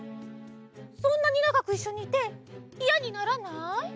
そんなにながくいっしょにいていやにならない？